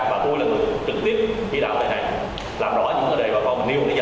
và tôi là người trực tiếp chỉ đạo về này làm rõ những cái đề bà con mình nêu đến giờ